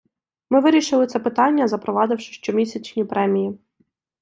Ми вирішили це питання, запровадивши щомісячні премії.